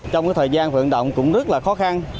trong thời gian vận động cũng rất là khó khăn